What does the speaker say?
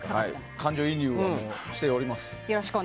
感情移入をしております。